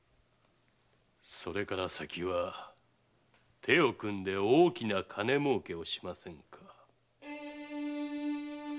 それから先は手を組んで大きな金儲けをしませんか？